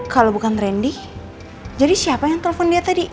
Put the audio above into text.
kalau bukan rendy jadi siapa yang telepon dia tadi